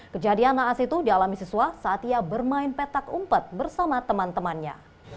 kejadian naas itu dialami siswa saat ia bermain petak umpet bersama teman temannya